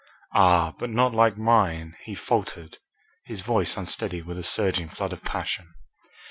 "Ah! but not like mine," he faltered, his voice unsteady with a surging flood of passion.